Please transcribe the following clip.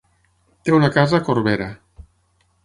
Té una casa a Corbera.